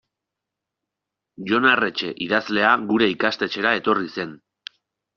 Jon Arretxe idazlea gure ikastetxera etorri zen.